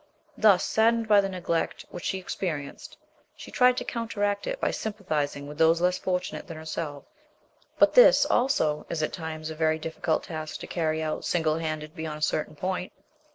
Thus, saddened by the neglect which she experienced, she tried to counteract it by sympathising with those less fortunate than herself; but this, also, is at times a very difficult task to carry out single handed beyond a certain point.